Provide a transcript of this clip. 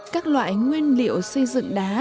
các loại nguyên liệu xây dựng đá